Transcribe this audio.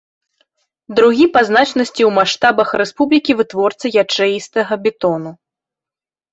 Другі па значнасці ў маштабах рэспублікі вытворца ячэістага бетону.